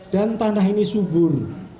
dan tanah ini subur